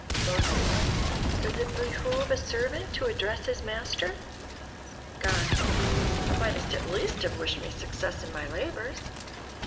Moses: "Does it behoove a servant to address his Master?" God: "Thou mightest at least have wished Me success in My labors."